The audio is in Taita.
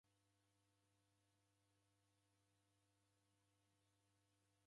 W'abunge w'aja w'aasi w'einjwa noko.